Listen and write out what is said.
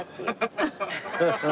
ハハハハ。